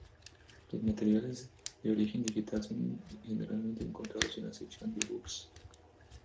Los materiales de origen digital son generalmente encontrados en la sección de e-books.